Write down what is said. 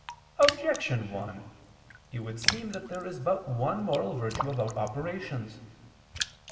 Objection 1: It would seem that there is but one moral virtue about operations.